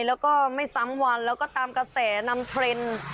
แล้วก็ไม่ซ้ำวันแล้วก็ตามกระแสนำเทรนด์